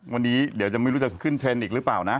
วันนี้เดี๋ยวจะไม่รู้จะขึ้นเทรนด์อีกหรือเปล่านะ